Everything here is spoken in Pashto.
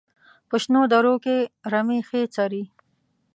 په شنو درو کې رمې ښې څري.